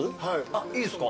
あっいいですか？